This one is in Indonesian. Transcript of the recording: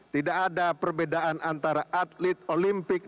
tidak ada perbedaan antara atlet olimpik